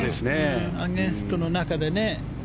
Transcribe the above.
アゲンストの中でね。